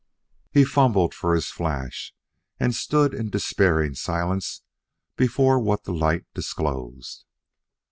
He fumbled for his flash, and stood in despairing silence before what the light disclosed.